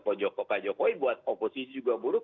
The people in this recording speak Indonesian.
pak jokowi buat oposisi juga buruk